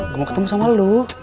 gue mau ketemu sama lo